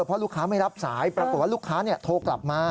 เพราะลูกค้าไม่รับสายปรากฏว่าลูกค้าโทรกลับมา